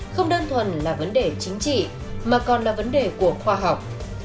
không đơn thuần là vấn đề chính trị mà còn là vấn đề của khoa học